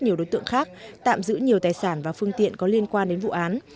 nhiều đối tượng khác tạm giữ nhiều tài sản và phương tiện có liên quan đến vụ án